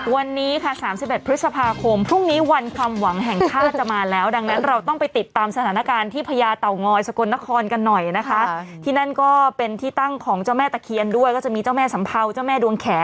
วันนี้ค่ะ๓๑พฤษภาคมพรุ่งนี้วันความหวังแห่งชาติจะมาแล้วดังนั้นเราต้องไปติดตามสถานการณ์ที่พญาเต่างอยสกลนครกันหน่อยนะคะที่นั่นก็เป็นที่ตั้งของเจ้าแม่ตะเคียนด้วยก็จะมีเจ้าแม่สัมเภาเจ้าแม่ดวงแข